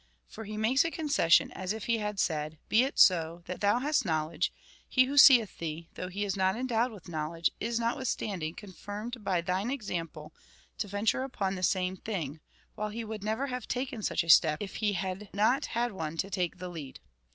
For he makes a concession, as if he had said :" Be it so, that thou hast knowledge ; he who seeth thee, though he is not endowed with knowledge, is notwith standing confirmed by thine example to venture upon the same thing, while he would never have taken such a step if he had not had one to take the lead.